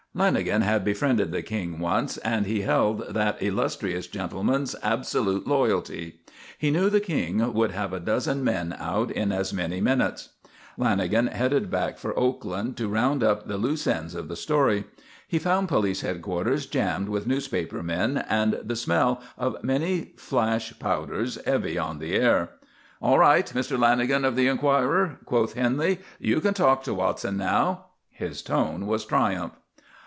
Lanagan had befriended the "King" once, and he held that illustrious gentleman's absolute loyalty. He knew the "King" would have a dozen men out in as many minutes. Lanagan headed back for Oakland to round up the loose ends of the story. He found police headquarters jammed with newspaper men and the smell of many flash powders heavy on the air. "All right, Mr. Lanagan of the Enquirer," quoth Henley. "You can talk to Watson now." His tone was triumph.